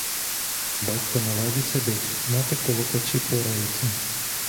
Батько на лаві сидить, мати коло печі порається.